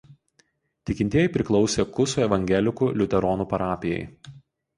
Tikintieji priklausė Kusų evangelikų liuteronų parapijai.